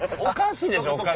おかしいでしょ！